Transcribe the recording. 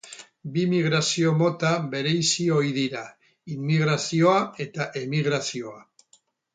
Bi migrazio mota bereizi ohi dira, immigrazioa eta emigrazioa.